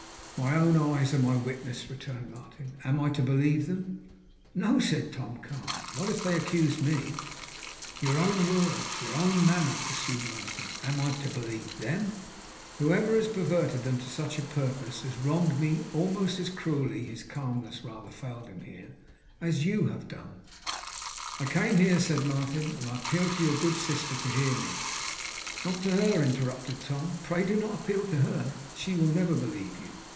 'My own eyes are my witnesses,' returned Martin. 'Am I to believe them?' 'No,' said Tom, calmly. 'Not if they accuse me.' 'Your own words. Your own manner,' pursued Martin. 'Am I to believe THEM?' 'No,' replied Tom, calmly. 'Not if they accuse me. But they never have accused me. Whoever has perverted them to such a purpose, has wronged me almost as cruelly' his calmness rather failed him here 'as you have done.' 'I came here,' said Martin; 'and I appeal to your good sister to hear me ' 'Not to her,' interrupted Tom. 'Pray, do not appeal to her. She will never believe you.